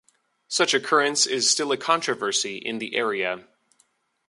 Such occurrence is still a controversy in the area.